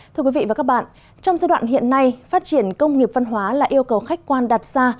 thưa quý vị và các bạn trong giai đoạn hiện nay phát triển công nghiệp văn hóa là yêu cầu khách quan đặt ra